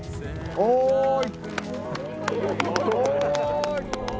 ・おい！